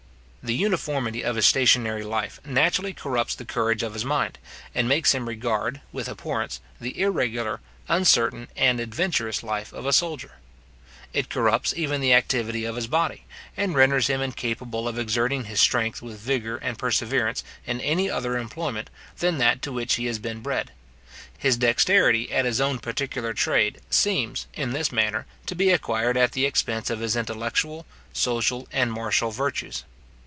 The uniformity of his stationary life naturally corrupts the courage of his mind, and makes him regard, with abhorrence, the irregular, uncertain, and adventurous life of a soldier. It corrupts even the activity of his body, and renders him incapable of exerting his strength with vigour and perseverance in any other employment, than that to which he has been bred. His dexterity at his own particular trade seems, in this manner, to be acquired at the expense of his intellectual, social, and martial virtues.